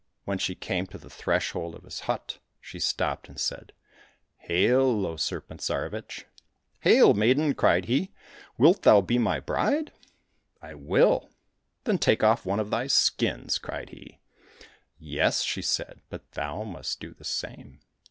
When she came to the threshold of his hut, she stopped and said, " Hail, O Serpent Tsarevich !"—'' Hail, maiden !" cried he. " Wih thou be my bride ?"—" I will !"—" Then take off one of thy skins !" cried he. —" Yes," she said, " but thou must do the same."